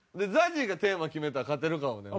ＺＡＺＹがテーマ決めたら勝てるかもね。